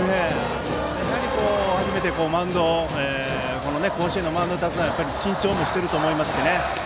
やはり初めて甲子園のマウンドに立つのは緊張していると思います。